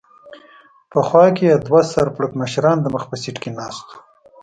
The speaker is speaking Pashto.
په خوا کې یې دوه سر پړکمشران د مخ په سېټ کې ناست و.